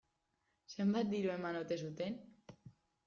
Zenbat diru eman ote zuten?